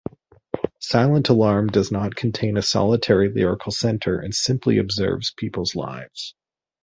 "Silent Alarm" does not contain a solitary lyrical centre and simply observes people's lives.